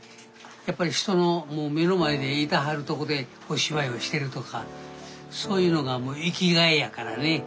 やっぱり人の目の前でいてはる所でお芝居をしてるとかそういうのが生きがいやからね。